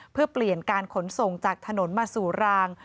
เพื่อเปลี่ยนการขนส่งจากถนนมาสู่ราง